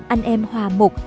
anh em hòa mục